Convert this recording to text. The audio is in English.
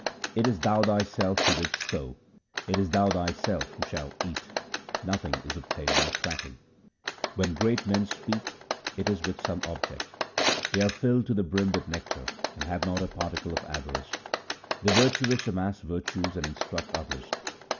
It is thou thyself who didst sow ; it is thou thyself who shalt eat ; nothing is obtained by prating. When great men speak it is with some object : They are filled to the brim with nectar, and have not a particle of avarice. The virtuous amass virtues and instruct others.